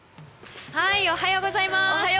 おはようございます。